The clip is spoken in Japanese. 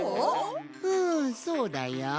うんそうだよ。